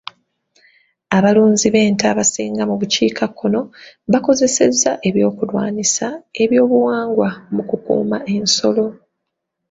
Abalunzi b'ente abasinga mu bukiikakkono bakozesa eby'okulwanyisa ebyobuwangwa mu kukuuma ensolo.